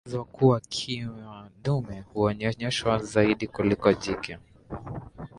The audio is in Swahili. Inaelezwa kuwa Kima dume huonyonyeshwa zaidi kuliko jike